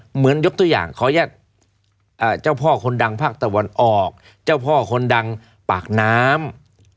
เหมือนยกตัวอย่างขออนุญาตเจ้าพ่อคนดังภาคตะวันออกเจ้าพ่อคนดังปากน้ำ